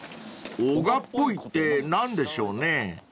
［男鹿っぽいって何でしょうね］